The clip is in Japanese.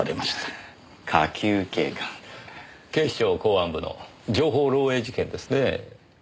警視庁公安部の情報漏えい事件ですねぇ。